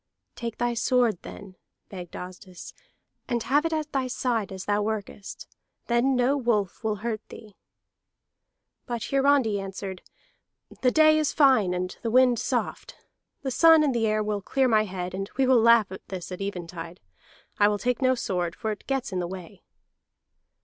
"Take thy sword, then," begged Asdis, "and have it at thy side as thou workest. Then no wolf will hurt thee." But Hiarandi answered, "The day is fine and the wind soft. The sun and the air will clear my head, and we will laugh at this at even tide. I will take no sword, for it gets in the way."